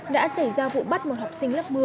đã xảy ra vụ bắt một học sinh lớp một mươi